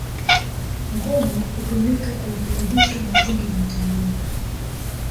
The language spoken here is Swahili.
ngoma hutumika kuyakaribisha makundi ya watalii